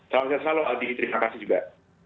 salam sehat selalu aldi terima kasih juga